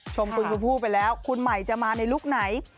ชมคุณชมพู่ไปแล้วคุณใหม่จะมาในลุคไหน